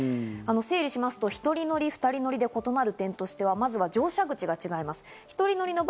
整理しますと１人乗り、２人乗りで異なる点としては、まずは乗車口が違います。